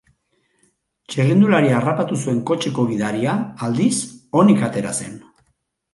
Txirrindularia harrapatu zuen kotxeko gidaria, aldiz, onik atera zen.